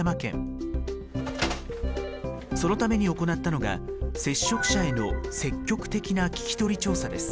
そのために行ったのが接触者への積極的な聞き取り調査です。